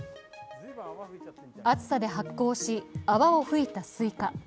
暑さで発酵し、泡を吹いたすいか。